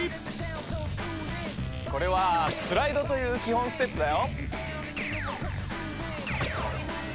これはスライドという基本ステップだよ。